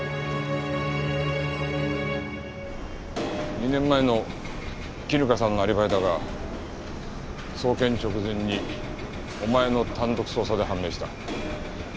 ２年前の絹香さんのアリバイだが送検直前にお前の単独捜査で判明した。